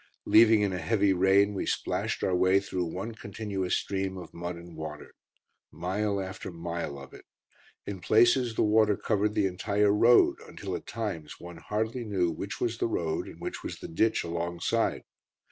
Leaving in a heavy rain, we splashed our way through one continuous stream of mud and water. Mile after mile of it. In places the water covered the entire road, until at times one hardly knew which was the road and which was the ditch alongside.